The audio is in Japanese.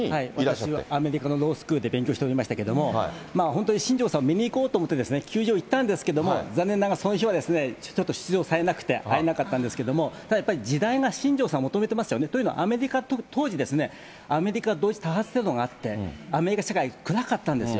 私はアメリカのロースクールで勉強しておりましたけれども、本当に新庄さん、見に行こうと思って球場行ったんですけど、残念ながらその日はちょっと出場されなくて、会えなかったんですけども、ただやっぱり時代が新庄さんを求めてますよね、というのはアメリカ、当時、アメリカ同時多発テロがあって、アメリカ社会暗かったんですよ。